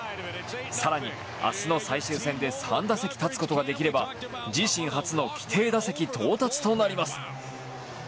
さらに明日の最終戦で３打席立つことができれば自身初の規定打席到達となります。